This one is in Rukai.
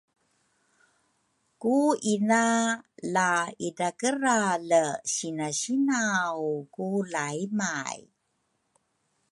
Ku ina la idrakerale sinasinaw ku laimay